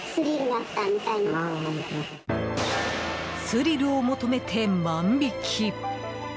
スリルを求めて、万引き。